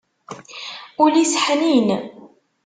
Ul-is ḥnin.